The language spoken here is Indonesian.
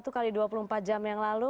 satu x dua puluh empat jam yang lalu